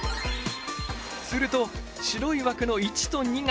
すると白い枠の１と２が！